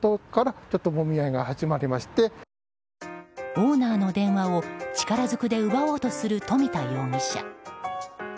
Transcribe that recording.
オーナーの電話を力ずくで奪おうとする冨田容疑者。